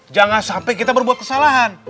jangan sampai kita berbuat kesalahan